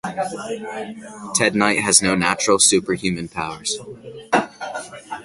Ted Knight has no natural, superhuman powers.